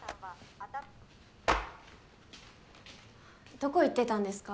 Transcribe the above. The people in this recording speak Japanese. どこ行ってたんですか？